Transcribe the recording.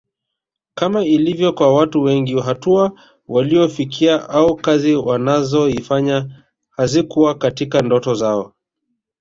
Kama ilivyo kwa watu wengi hatua waliyoifikia au kazi wanazoifanya hazikuwa katika ndoto zao